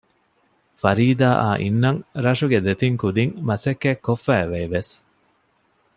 ފަރީދާއާ އިންނަން ރަށުގެ ދެތިން ކުދިން މަސައްކަތް ކޮށްފައިވޭ ވެސް